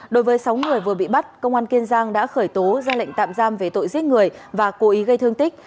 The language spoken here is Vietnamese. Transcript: đối với sáu người vừa bị bắt công an kiên giang đã khởi tố ra lệnh tạm giam về tội giết người và cố ý gây thương tích